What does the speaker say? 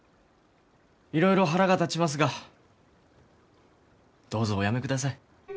いろいろ腹が立ちますがどうぞお辞めください。